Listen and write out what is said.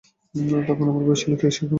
তখন আমার বয়স ছিল তেইশ, এখন হইয়াছে সাতাশ।